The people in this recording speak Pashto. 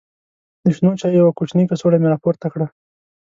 د شنو چایو یوه کوچنۍ کڅوړه مې راپورته کړه.